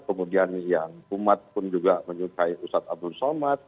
kemudian yang umat pun juga menyukai ustadz abdul somad